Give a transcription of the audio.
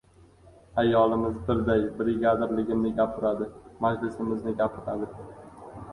Ayolimiz birday brigadirligimni gapiradi, majlisimizni gapiradi.